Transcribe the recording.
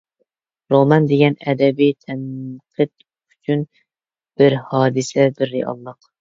رومان دېگەن ئەدەبىي تەنقىد ئۈچۈن بىر ھادىسە، بىر رېئاللىق.